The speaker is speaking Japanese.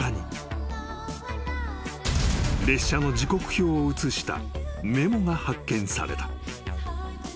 ［列車の時刻表を写したメモが発見された］